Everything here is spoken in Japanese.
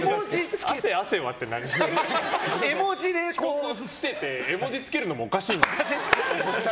遅刻してて絵文字つけるのもおかしいけど。